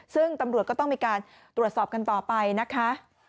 ซึ่งตำรวจก็ต้องมีการตรวจสอบกันต่อไปนะคะ